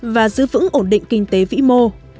và giữ vững ổn định kinh tế vĩ mô